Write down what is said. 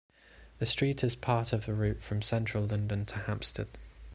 The street is part of the route from central London to Hampstead.